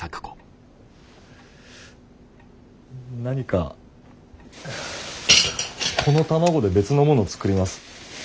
何かこの卵で別のもの作ります。